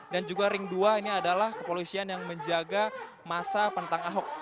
dan juga ring dua ini adalah kepolisian yang menjaga masa penentang ahok